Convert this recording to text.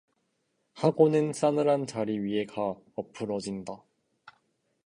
하고는 싸늘한 자리 위에 가 엎으러진다.